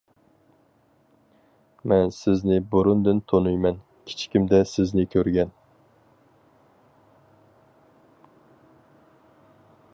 مەن سىزنى بۇرۇندىن تونۇيمەن، كىچىكىمدە سىزنى كۆرگەن.